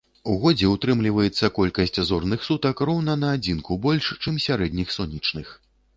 У годзе ўтрымліваецца колькасць зорных сутак роўна на адзінку больш, чым сярэдніх сонечных.